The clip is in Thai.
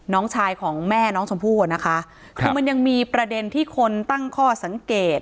น้องชายของแม่น้องชมพู่อ่ะนะคะคือมันยังมีประเด็นที่คนตั้งข้อสังเกต